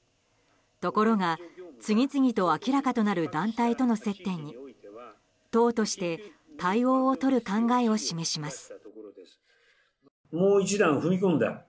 ところが、次々と明らかとなる団体との接点に党として対応をとる考えを示します。